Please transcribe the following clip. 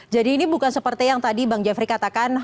jadi ini bukan seperti yang tadi bang jeffrey katakan